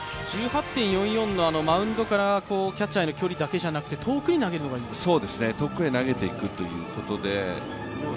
１８．４４のマウンドからキャッチャーへの距離だけじゃなくて遠くに投げるのがいいんですか？